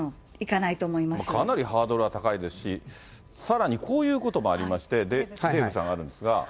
かなりハードルが高いですし、さらにこういうこともありまして、デーブさんがあるんですが。